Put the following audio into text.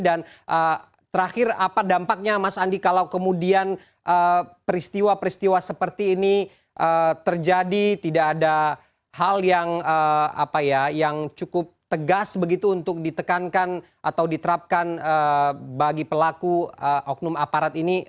dan terakhir apa dampaknya mas andi kalau kemudian peristiwa peristiwa seperti ini terjadi tidak ada hal yang cukup tegas begitu untuk ditekankan atau diterapkan bagi pelaku oknum aparat ini